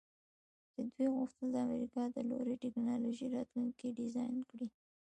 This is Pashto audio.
دوی غوښتل د امریکا د لوړې ټیکنالوژۍ راتلونکی ډیزاین کړي